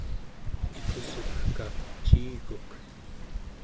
ikusgegka ciiguk